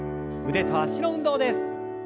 腕と脚の運動です。